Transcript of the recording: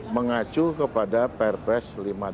mengacu kepada perpres lima puluh delapan